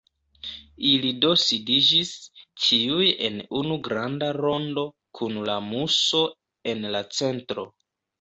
Ili do sidiĝis, ĉiuj en unu granda rondo, kun la Muso en la centro.